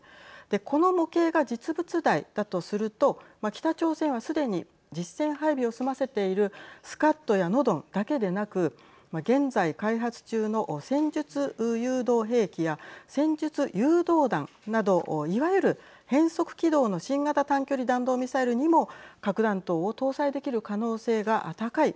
この模型が実物大だとすると北朝鮮はすでに実戦配備を済ませているスカッドやノドンだけでなく現在開発中の戦術誘導兵器や戦術誘導弾などいわゆる変速軌道の新型短距離弾道ミサイルにも核弾頭を搭載できる可能性が高い。